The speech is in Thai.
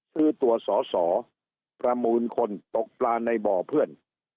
ซื้อตัวสอสอประมูลคนตกปลาในบ่อเพื่อน